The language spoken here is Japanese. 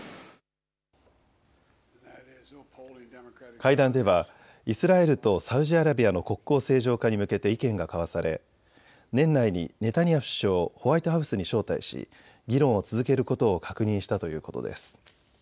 会談ではイスラエルとサウジアラビアの国交正常化に向けて意見が交わされ年内にネタニヤフ首相をホワイトハウスに招待し議論を続けることを確認したということです。